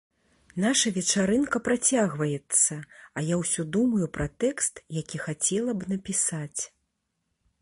Наша вечарынка працягваецца, а я ўсё думаю пра тэкст, які хацела б напісаць.